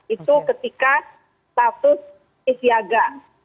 itu ketika status isyaga